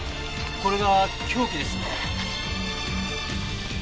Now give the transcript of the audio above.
これが凶器ですね。